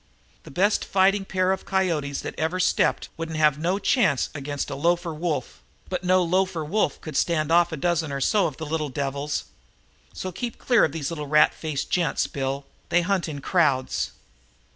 The best fighting pair of coyotes that ever stepped wouldn't have no chance against a lofer wolf, but no lofer wolf could stand off a dozen or so of the little devils. So keep clear of these little rat faced gents, Bill. They hunt in crowds."